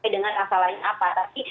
dengan asal lain apa tapi